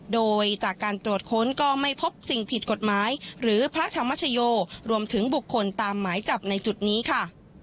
โดยจากการตรวจค้นก็ไม่พบสิ่งผิดกฎหมายหรือพระธรรมชโยรวมถึงบุคคลตามหมายจับในจุดนี้ค่ะ